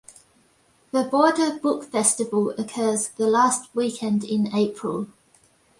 The Border Book Festival occurs the last weekend in April.